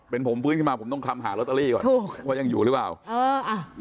เป็นผมฟื้นขึ้นมาผมต้องคำหาลอตเตอรี่ก่อนถูกว่ายังอยู่หรือเปล่าเอออ่ะ